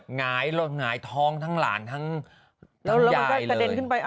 ไหงอยซิไหงทองทั้งหลานทั้งยายเลย